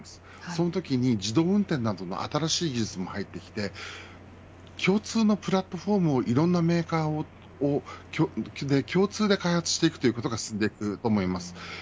そのときに自動運転などの新しい技術も入ってきて共通のプラットフォームをいろんなメーカーで共通して開発することが進んでいくと思います。